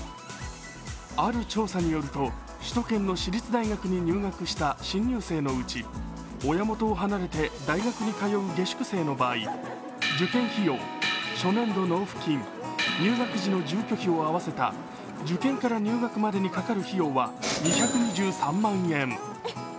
ある調査によると首都圏の私立大学に入学した新入生のうち親元を離れて大学に通う下宿生の場合受験費用、初年度納付金、入学時の住居費を合わせた受験から入学までにかかる費用は２２３万円。